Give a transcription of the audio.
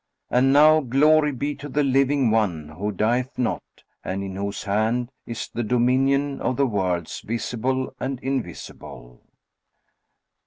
And now glory be to the Living One who dieth not and in whose hand is the dominion of the worlds visible and invisible!